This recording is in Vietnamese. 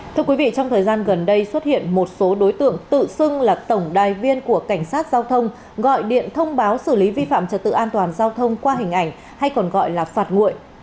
thưa quý vị trong thời gian gần đây xuất hiện một số đối tượng tự xưng là tổng đài viên của cảnh sát giao thông gọi điện thông báo xử lý vi phạm trật tự an toàn giao thông qua hình ảnh hay còn gọi là phạt nguội